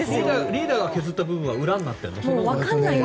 リーダーが削った部分は裏になってるの？